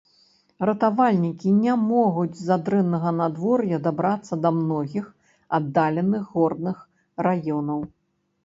Ратавальнікі не могуць з-за дрэннага надвор'я дабрацца да многіх аддаленых горных раёнаў.